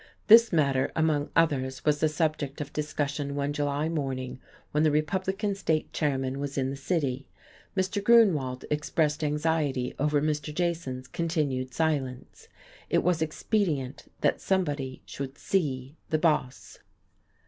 This matter among others was the subject of discussion one July morning when the Republican State Chairman was in the city; Mr. Grunewald expressed anxiety over Mr. Jason's continued silence. It was expedient that somebody should "see" the boss.